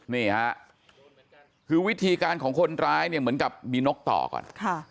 นี่ฮะคือวิธีการของคนร้ายเนี่ยเหมือนกับมีนกต่อก่อน